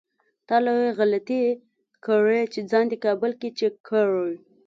تا لويه غلطي کړې چې ځان دې کابل کې چک کړی.